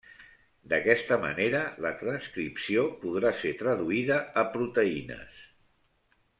D'aquesta manera la transcripció podrà ser traduïda a proteïnes.